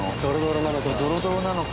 ドロドロなのか。